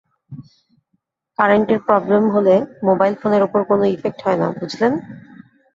কারেন্টের প্রবলেম হলে মোবাইল ফোনের ওপর কোনো ইফেক্ট হয় না, বুঝলেন?